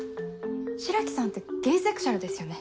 白木さんってゲイセクシャルですよね？